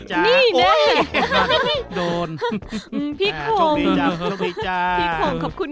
นี่แด่พี่โข่งสวัสดีจ้าขอบคุณค่ะ